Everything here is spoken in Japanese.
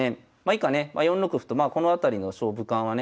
以下ね４六歩とまあこの辺りの勝負感はね